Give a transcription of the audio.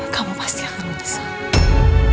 kamu pasti akan menyesal